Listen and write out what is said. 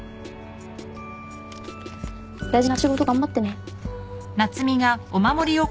大事な仕事頑張ってね。